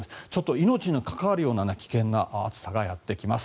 命に関わるような危険な暑さがやってきます。